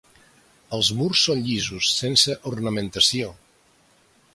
Els murs són llisos, sense ornamentació.